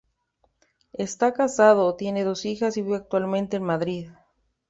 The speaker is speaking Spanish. Está casado, tiene dos hijas y vive actualmente en Madrid.